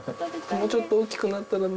もうちょっと大きくなったらね。